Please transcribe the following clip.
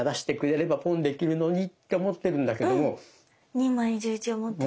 ２枚１１を持ってて。